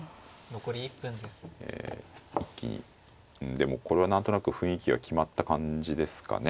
でもこれは何となく雰囲気は決まった感じですかね